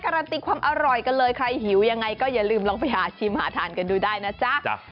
การันตีความอร่อยกันเลยใครหิวยังไงก็อย่าลืมลองไปหาชิมหาทานกันดูได้นะจ๊ะ